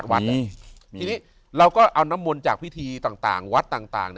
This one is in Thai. วันนี้เราก็เอาน้ำมนต์จากพิธีต่างวัดต่าง